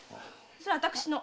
それ私の！